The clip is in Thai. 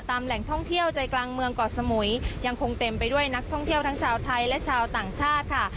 แหล่งท่องเที่ยวใจกลางเมืองก่อสมุยยังคงเต็มไปด้วยนักท่องเที่ยวทั้งชาวไทยและชาวต่างชาติค่ะ